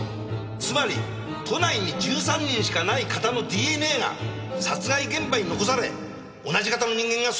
つまり都内に１３人しかない型のＤＮＡが殺害現場に残され同じ型の人間がその現場から飛び出してきた！